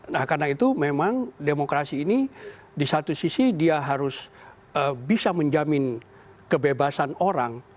nah karena itu memang demokrasi ini di satu sisi dia harus bisa menjamin kebebasan orang